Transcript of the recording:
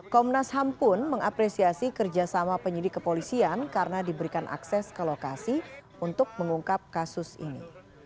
komnas ham pun mengapresiasi kerjasama penyidik kepolisian karena diberikan akses ke lokasi untuk mengungkap kasus ini